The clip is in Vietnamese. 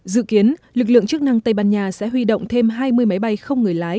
dự kiến lực lượng chức năng tây ban nha sẽ huy động thêm hai mươi máy bay không người lái